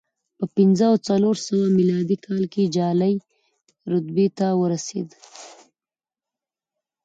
په پنځه او څلور سوه میلادي کال کې جالۍ رتبې ته ورسېد